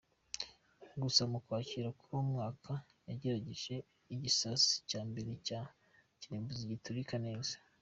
Gusa mu Ukwakira k’uwo mwaka yagerageje igisasu cya mbere cya kirimbuzi, giturika neza.